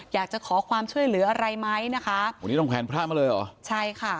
อยากจะขอความช่วยเหลืออะไรไหมนะคะวันนี้ต้องแขวนพระมาเลยเหรอใช่ค่ะ